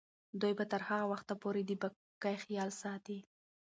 دوی به تر هغه وخته پورې د پاکۍ خیال ساتي.